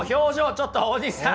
ちょっと大西さん。